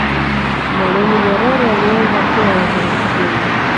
mwalimu nyerere alianza kuwa waziri mkuu